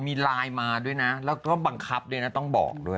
มีไลน์มาด้วยนะแล้วก็บังคับด้วยนะต้องบอกด้วย